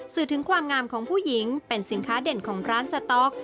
สื่อถึงความงามของผู้หญิงเป็นสินค้าเด่นของร้านสต๊อก